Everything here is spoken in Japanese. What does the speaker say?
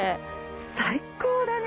最高だね！